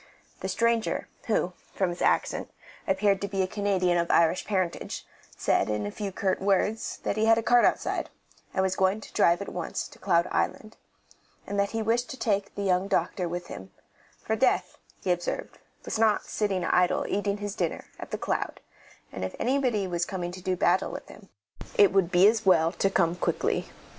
The stranger, who, from his accent, appeared to be a Canadian of Irish parentage, said, in a few curt words, that he had a cart outside, and was going to drive at once to Cloud Island, that he wished to take the young doctor with him; for death, he observed, was not sitting idle eating his dinner at The Cloud, and if anyone was coming to do battle with him it would be as well to come quickly.